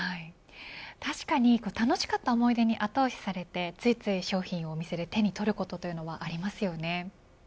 確かに楽しかった思い出に後押しされてついつい商品をお店で手に取ることはありますよね。